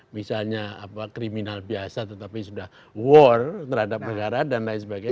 misalnya kriminal biasa tetapi sudah war terhadap negara dan lain sebagainya